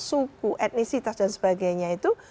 suku etnisitas dan sebagainya itu